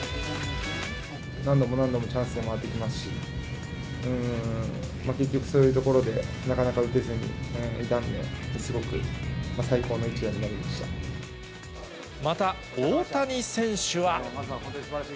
何度も何度もチャンスで回ってきますし、結局、そういうところでなかなか打てずにいたんで、また大谷選手は。